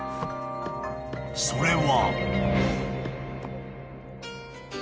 ［それは］